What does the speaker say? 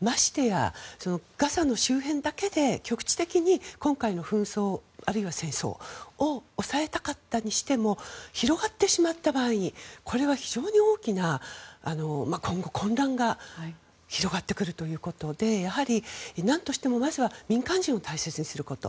ましてやガザの周辺だけで局地的に今回の紛争、あるいは戦争を抑えたかったにしても広がってしまった場合これは非常に大きな今後、混乱が広がってくるということでやはりなんとしてもまずは民間人を大切にすること。